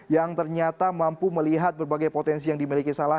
yang ternyata mampu melihat berbagai potensi yang dimiliki salah